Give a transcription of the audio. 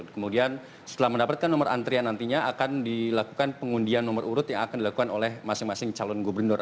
kemudian setelah mendapatkan nomor antrian nantinya akan dilakukan pengundian nomor urut yang akan dilakukan oleh masing masing calon gubernur